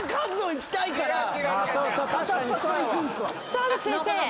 澤口先生。